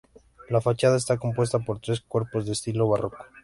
La fachada está compuesta por tres cuerpos de estilo barroco.